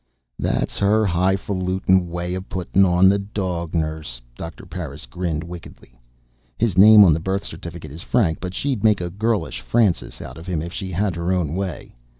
"That's her hifalutin way of putting on the dog, nurse," Doctor Parris grinned wickedly. "His name on the birth certificate is Frank but she'd make a girlish Francis of him if she had her own way.